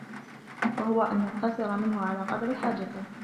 وَهُوَ أَنْ يَقْتَصِرَ مِنْهُ عَلَى قَدْرِ حَاجَتِهِ